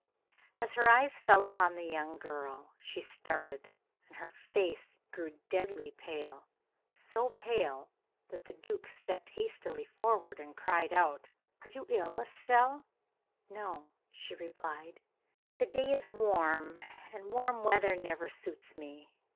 As her eyes fell upon the young girl she started, and her face grew deadly pale so pale that the duke stepped hastily forward, and cried out: "Are you ill, Estelle?" "No," she replied; "the day is warm, and warm weather never suits me.